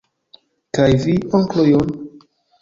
Kaj vi, onklo John?